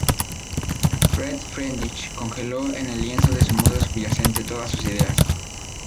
Fred Friedrich congela en el lienzo de un modo subyacente todas sus ideas.